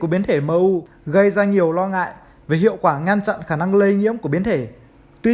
biến thể mu gây ra nhiều lo ngại về hiệu quả ngăn chặn khả năng lây nhiễm của biến thể tuy